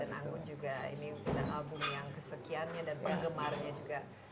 dan anggun juga ini album yang kesekiannya dan penggemarnya juga